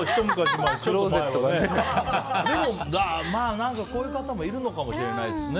でも、こういう方もいるのかもしれないですね。